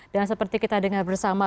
dan seperti kita dengar bersama